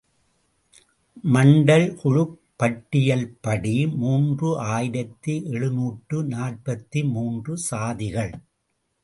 மண்டல் குழுப் பட்டியல்படி மூன்று ஆயிரத்து எழுநூற்று நாற்பத்து மூன்று சாதிகள்!